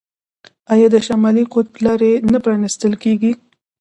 آیا د شمالي قطب لارې نه پرانیستل کیږي؟